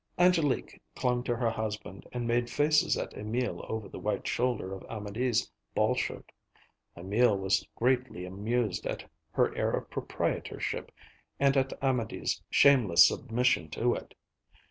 Angélique clung to her husband and made faces at Emil over the white shoulder of Amédée's ball shirt. Emil was greatly amused at her air of proprietorship and at Amédée's shameless submission to it.